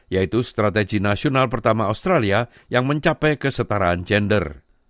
yaitu strategi nasional pertama australia yang mencapai kesetaraan gender